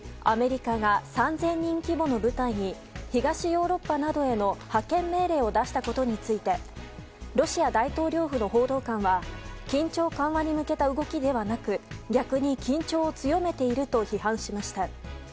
アメリカが３０００人規模の部隊に東ヨーロッパなどへの派遣命令を出したことについてロシア大統領府の報道官は緊張緩和に向けた動きではなく逆に緊張を強めていると批判しました。